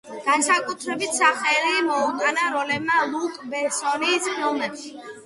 განსაკუთრებული სახელი მოუტანა როლებმა ლუკ ბესონის ფილმებში.